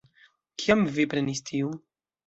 Kiam vi prenis tiun?